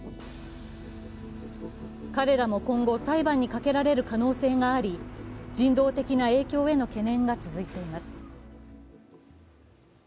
彼らも今後、裁判にかけられる可能性があり人道的な影響への懸念が続いています。